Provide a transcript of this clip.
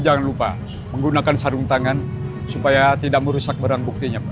jangan lupa menggunakan sarung tangan supaya tidak merusak barang buktinya pak